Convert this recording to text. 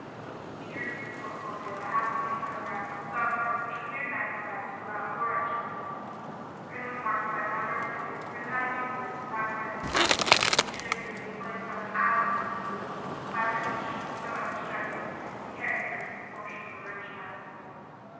He drew from the portfolio a half plate photograph of the thumb print which appeared magnified to about four inches in length. The print was marked by a number of figures written minutely with a fine pointed pen, each figure being placed on an "island," a loop, a bifurcation or some other striking and characteristic portion of the ridge pattern.